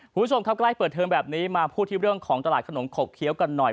คุณผู้ชมครับใกล้เปิดเทอมแบบนี้มาพูดที่เรื่องของตลาดขนมขบเคี้ยวกันหน่อย